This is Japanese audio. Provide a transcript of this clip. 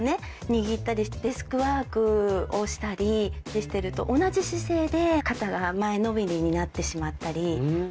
握ったりデスクワークをしたりしてると同じ姿勢で肩が前のめりになってしまったり。